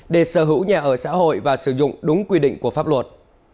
để sở hữu nhà ở xã hội và sử dụng đúng quy định của pháp luật